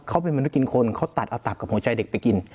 เขาเป็นมนุษย์กินคนเขาตัดเอาตับกับหัวใจเด็กไปกิน